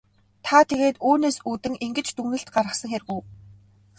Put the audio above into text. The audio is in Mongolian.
Та тэгээд үүнээс үүдэн ингэж дүгнэлт гаргасан хэрэг үү?